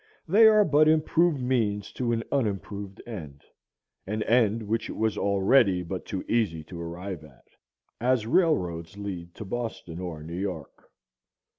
They are but improved means to an unimproved end, an end which it was already but too easy to arrive at; as railroads lead to Boston or New York.